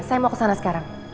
saya mau kesana sekarang